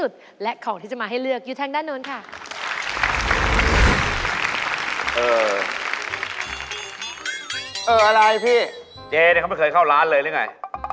เจ๊นี่เขาไม่เคยเข้าร้านเลยหรือยังไง